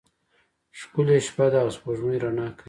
ښکلی شپه ده او سپوږمۍ رڼا کوي.